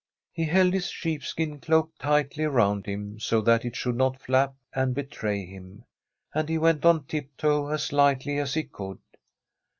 He held his sheepskin cloak tightly around him so that it should not flap and betray him, and he went on tiptoe as lightly as he could.